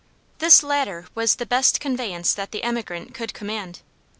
This latter was the best conveyance that the emigrant could command.